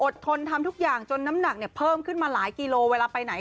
ทนทำทุกอย่างจนน้ำหนักเนี่ยเพิ่มขึ้นมาหลายกิโลเวลาไปไหน